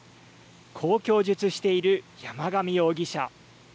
こう供述している山上容疑者。